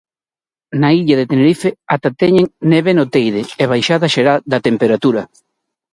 Na illa de Tenerife ata teñen neve no Teide e baixada xeral da temperatura.